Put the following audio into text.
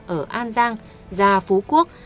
ở an giang già phú quốc